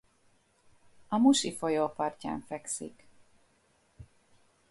A Musi folyó partján fekszik.